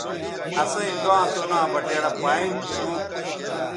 اَسئیں گاں سو ناں بٹیڑہ پائیں تھو۔